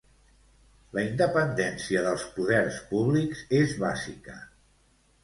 La independència dels poders públics és bàsica.